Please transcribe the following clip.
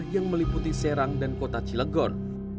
yang meliputi serang dan kota cilegon